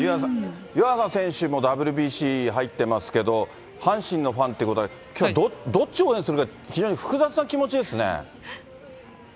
湯浅選手もＷＢＣ入ってますけど、阪神のファンっていうことは、きょう、どっち応援するか、非常に複雑な気持ちですね。